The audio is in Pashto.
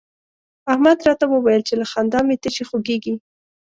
احمد راته وويل چې له خندا مې تشي خوږېږي.